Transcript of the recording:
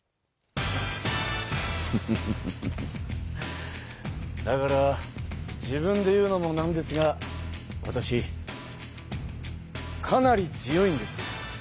フフフフフだから自分で言うのもなんですがわたしかなり強いんです。